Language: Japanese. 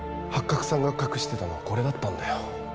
ハッカクさんが隠してたのはこれだったんだよ